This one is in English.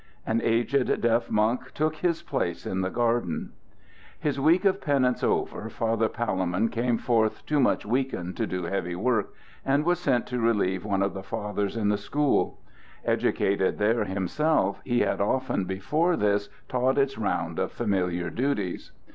An aged deaf monk took his place in the garden. His week of penance over, Father Palemon came forth too much weakened to do heavy work, and was sent to relieve one of the fathers in the school. Educated there himself, he had often before this taught its round of familiar duties.